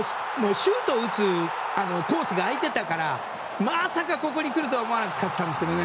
シュートを打つコースが空いていたからまさかここに来るとは思わなかったんですけどね